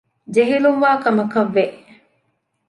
ޖެހިލުންވާ ކަމަކަށް ވެ